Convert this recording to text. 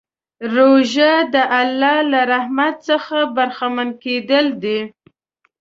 روژه د الله له رحمت څخه برخمن کېدل دي.